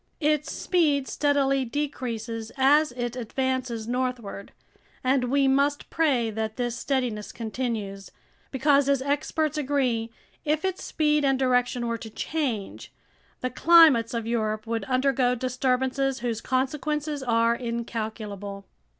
Its speed steadily decreases as it advances northward, and we must pray that this steadiness continues, because, as experts agree, if its speed and direction were to change, the climates of Europe would undergo disturbances whose consequences are incalculable.